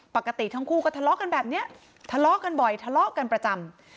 ปกติทั้งคู่ก็ทะเลาะกันแบบนี้ทะเลาะกันบ่อยทะเลาะกันประจำ